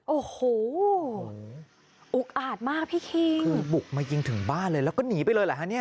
โอ้โหอุกอาจมากพี่คิงคือบุกมายิงถึงบ้านเลยแล้วก็หนีไปเลยเหรอฮะเนี่ย